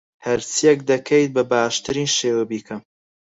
هەرچییەک دەکەیت، بە باشترین شێوە بیکە.